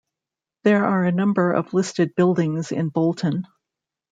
There are a number of listed buildings in Bolton.